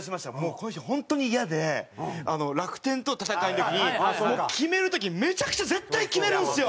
この人本当にイヤで楽天との戦いの時に決める時めちゃくちゃ絶対決めるんですよ！